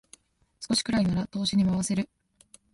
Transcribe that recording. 少しくらいなら投資に回せる